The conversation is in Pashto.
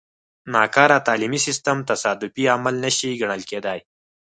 ناکاره تعلیمي سیستم تصادفي عمل نه شي ګڼل کېدای.